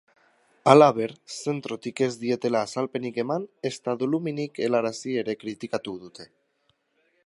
Halaber, zentrotik ez dietela azalpenik eman ezta doluminik helarazi ere kritikatu dute.